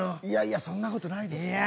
いやいやそんなことないです。